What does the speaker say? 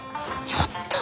ちょっと！